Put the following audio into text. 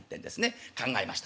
考えました。